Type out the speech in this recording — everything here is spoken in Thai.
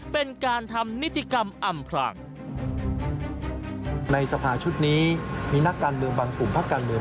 เป็นการทำนิติกรรมอำพรางในสภาชุดนี้มีนักการเมืองบางกลุ่มภาคการเมือง